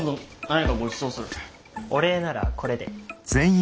お礼ならこれで。